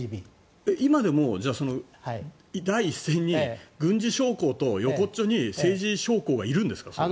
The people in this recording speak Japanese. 今でも第一線に軍事将校と横っちょに政治将校がいるんですか？